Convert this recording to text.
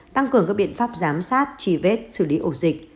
tăng cường các biện pháp giám sát truy vết xử lý ổ dịch